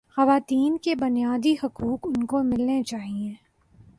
خواتین کے بنیادی حقوق ان کو ملنے چاہیے